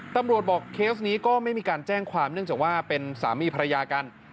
ตำรวจบอกเคสนี้ก็ไม่มีการแจ้งความเนื่องจากว่าเป็นสามีภรรยากัน